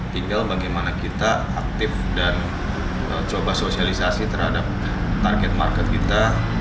tinggal bagaimana kita aktif dan coba sosialisasi terhadap target market kita